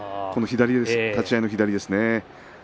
立ち合いの左ですね。